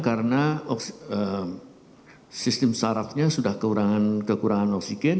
karena sistem syaratnya sudah kekurangan oksigen